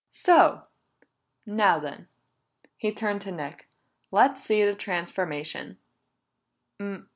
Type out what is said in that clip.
"So! Now then," he turned to Nick, "Let's see this transformation."